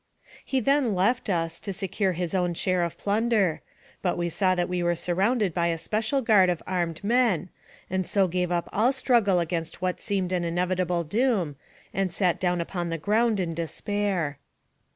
He then left us, to secure his own share of plunder, but we saw that we were surrounded by a special guard of armed men, and so gave up all struggle against what seemed an inevitable doom, and sat down upon the ground in despair.